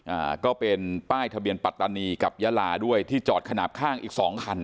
อ่าก็เป็นป้ายทะเบียนปัตตานีกับยาลาด้วยที่จอดขนาดข้างอีกสองคัน